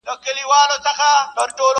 اراده یم، ما ټینګ کړي اسمان مځکه تل تر تله٫